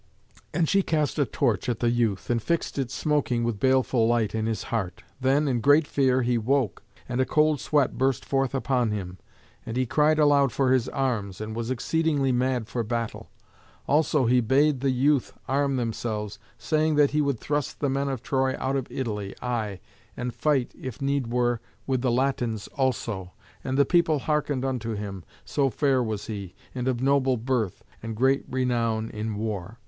And she cast a torch at the youth, and fixed it smoking with baleful light in his heart. Then, in great fear, he woke, and a cold sweat burst forth upon him, and he cried aloud for his arms, and was exceedingly mad for battle. Also he bade the youth arm themselves, saying that he would thrust the men of Troy out of Italy, aye, and fight, if need were, with the Latins also. And the people hearkened unto him, so fair was he, and of noble birth, and great renown in war.